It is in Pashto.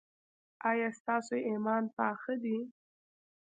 ایا ستاسو ایمان پاخه دی؟